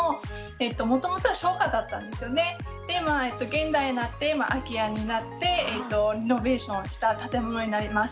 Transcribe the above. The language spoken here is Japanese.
現代になって今空き家になってリノベーションした建物になります。